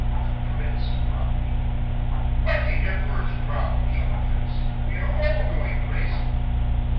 The Prince brought me." "By the Emperor's crown!" shouted Fritz, "we are all going crazy."